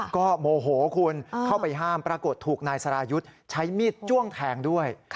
ก็โมโหคุณเข้าไปห้ามปรากฏถูกนายสรายุทธ์ใช้มีดจ้วงแทงด้วย